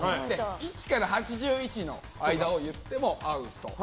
１から８１の正解を言ってもアウト。